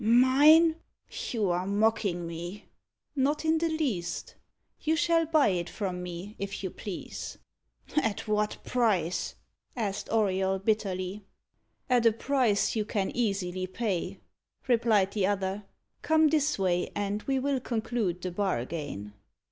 "Mine! you are mocking me again." "Not in the least. You shall buy it from me, if you please." "At what price?" asked Auriol bitterly. "At a price you can easily pay," replied the other. "Come this way, and we will conclude the bargain."